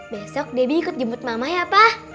besok debbie ikut jemput mama ya pak